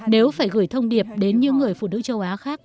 nếu phải gửi thông điệp đến những người phụ nữ châu á khác